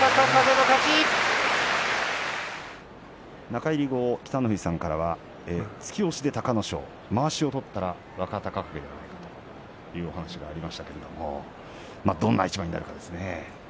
中入り後北の富士さんからは突き押しで隆の勝まわしを取ったら若隆景ではないかという話がありましたけれどもどんな一番になるかですね。